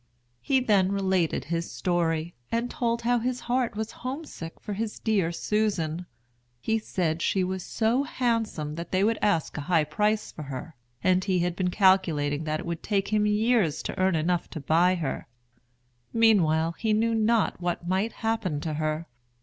He then related his story, and told how his heart was homesick for his dear Susan. He said she was so handsome that they would ask a high price for her, and he had been calculating that it would take him years to earn enough to buy her; meanwhile, he knew not what might happen to her.